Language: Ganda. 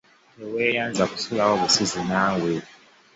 Teweeyanza kusulawo busuzi naawe.